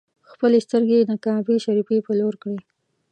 خپلې سترګې یې د کعبې شریفې پر لور کړې.